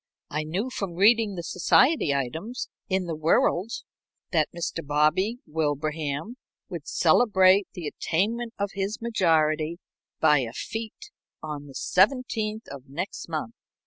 I knew, from reading the society items in the Whirald, that Mr. Bobby Wilbraham would celebrate the attainment of his majority by a big fête on the 17th of next month.